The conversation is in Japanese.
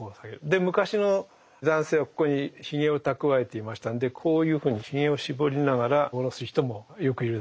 で昔の男性はここにヒゲをたくわえていましたんでこういうふうにヒゲを絞りながら下ろす人もよくいるんですけども。